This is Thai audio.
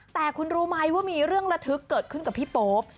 แต่คุณรู้ไหมว่ามีเรื่องระทึกเกิดขึ้นกับพี่โป๊ป